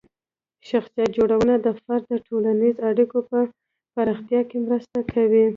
شخصیت جوړونه د فرد د ټولنیزې اړیکو په پراختیا کې مرسته کوي.